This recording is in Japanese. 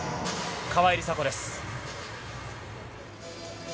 川井梨紗子です。